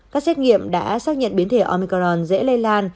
các xét nghiệm đã xác nhận biến thể omicron dễ lây lan